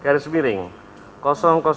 dan biasikan parent flag di jumat